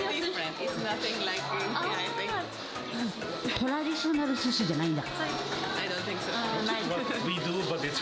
トラディショナルすしじゃないんだ。